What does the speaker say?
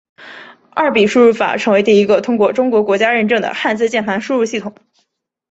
二笔输入法成为第一个通过中国国家认证的汉字键盘输入系统。